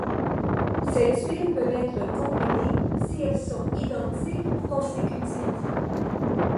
Ces tuiles peuvent être combinées si elles sont identiques ou consécutives.